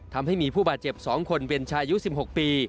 ทำให้มีผู้บาดเจ็บสองคนเวียนชายิ้วสิบหกปี